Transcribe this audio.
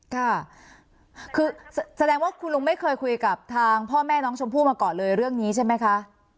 ค่ะคือแสดงว่าคุณลุงไม่เคยคุยกับทางพ่อแม่น้องชมพู่มาก่อนเลยเรื่องนี้ใช่ไหมคะ